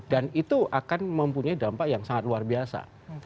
dan itu akan mempunyai dampak yang sangat luar biasa